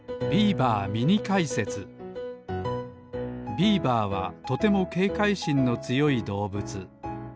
ビーバーはとてもけいかいしんのつよいどうぶつ。